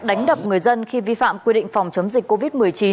đánh đập người dân khi vi phạm quy định phòng chống dịch covid một mươi chín